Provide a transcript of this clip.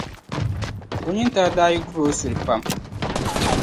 o nyintaa daa yi kur’ o suli pam.